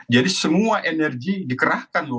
jadi semua energi dikerahkan